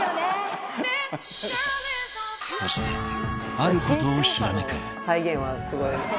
そしてある事をひらめく